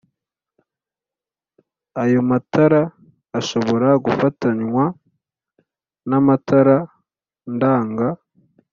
Ayo matara ashobora gufatanywa n'amatara ndanga